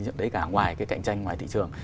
cái chuyện đấy cả ngoài cái cạnh tranh ngoài thị trường